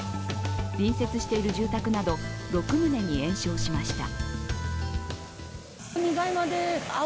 隣接している住宅など６棟に延焼しました。